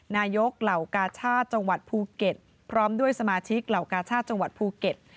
เหล่ากาชาติจังหวัดภูเก็ตพร้อมด้วยสมาชิกเหล่ากาชาติจังหวัดภูเก็ต